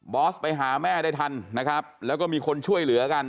อสไปหาแม่ได้ทันนะครับแล้วก็มีคนช่วยเหลือกัน